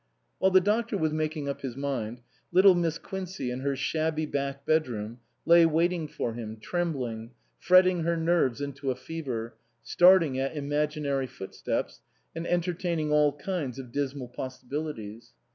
While the doctor was making up his mind, little Miss Quincey, in her shabby back bedroom, lay waiting for him, trembling, fretting her nerves into a fever, starting at imaginary foot steps, and entertaining all kinds of dismal possibilities.